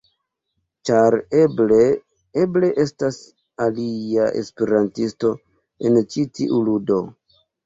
Ĉar eble... eble estas alia esperantisto en ĉi tiu ludo.